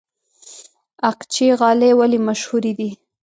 اقچې غالۍ ولې مشهورې دي؟